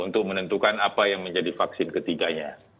untuk menentukan apa yang menjadi vaksin ketiganya